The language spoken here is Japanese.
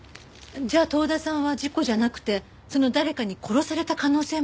じゃあ遠田さんは事故じゃなくてその誰かに殺された可能性もあるって事？